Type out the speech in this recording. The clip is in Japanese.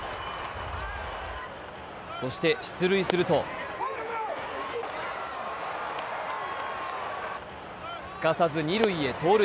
そして出塁するとすかさず二塁へ盗塁。